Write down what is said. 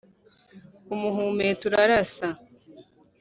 Umuhumeto urarasa.